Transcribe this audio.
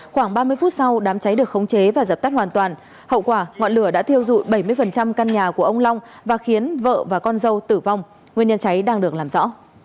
khoảng ba mươi phút sau đám cháy được khống chế và dập tắt hoàn toàn hậu quả ngọn lửa đã thiêu dụi bảy mươi căn nhà của ông long và khiến vợ và con dâu tử vong nguyên nhân cháy đang được làm rõ